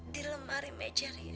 di lemari meja rias